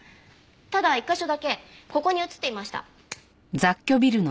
ただ１カ所だけここに映っていました。